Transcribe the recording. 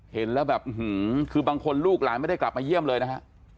เห็นแล้วแบบคือบางคนลูกหลานไม่ได้กลับมาเยี่ยมเลยนะฮะ